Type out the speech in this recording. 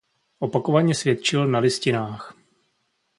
Opakovaně svědčil na listinách.